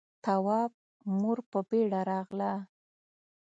تواب مور په بيړه راغله.